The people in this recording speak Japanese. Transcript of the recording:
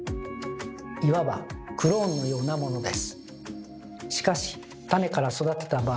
いわばクローンのようなものです。